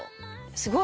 すごい！